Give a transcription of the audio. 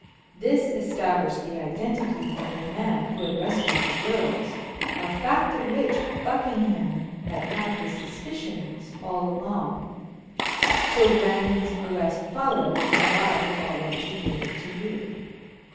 This established the identity of the man who had rescued the girls, a fact of which Buckingham had had his suspicions all along. So Brandon's arrest followed, as I have already related to you.